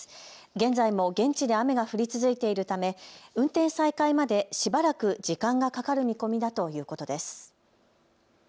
現在も現地で雨が降り続いているため運転再開までしばらく時間がかかる見込みだということです。